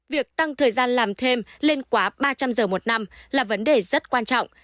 việc tăng thời gian làm thêm lên quá ba trăm linh giờ một năm là vấn đề rất quan trọng